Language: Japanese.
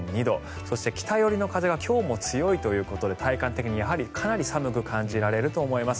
そして、北寄りの風が今日も強いということで体感的にかなり寒く感じられると思います。